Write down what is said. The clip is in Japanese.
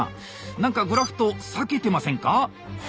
何かグラフト裂けてませんか？